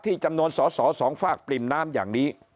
ที่จำนวนสอสอ๒ฝากปริมน้ำอย่างนี้